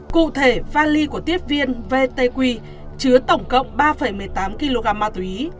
cụ thể vali của tiếp viên vtq chứa tổng cộng ba một mươi tám kg ma túy